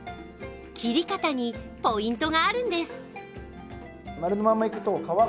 切り方にポイントがあるんです。